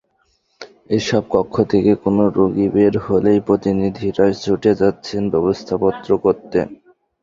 এসব কক্ষ থেকে কোনো রোগী বের হলেই প্রতিনিধিরা ছুটে যাচ্ছেন ব্যবস্থাপত্র দেখতে।